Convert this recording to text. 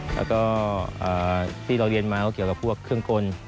แล้วก็ที่เราเรียนมาก็เกี่ยวกับพวกเครื่องกล